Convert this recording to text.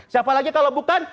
siapa lagi kalau bukan